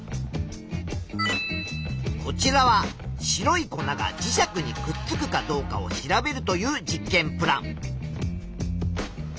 こちらは白い粉が磁石にくっくかどうかを調べるという実験プラン。